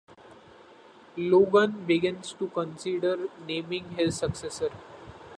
Logan begins to consider naming his successor.